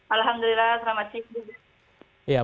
alhamdulillah selamat siang